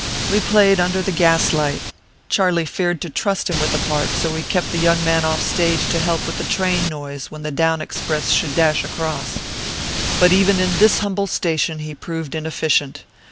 We played Under the Gaslight; Charlie feared to trust him with a part, so he kept the young man off stage to help with the train noise when the down express should dash across. But even in this humble station he proved inefficient.